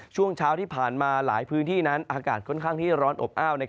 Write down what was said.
ช่วงเช้าที่ผ่านมาหลายพื้นที่นั้นอากาศค่อนข้างที่ร้อนอบอ้าว